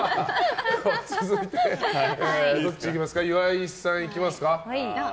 続いて、岩井さんいきますか。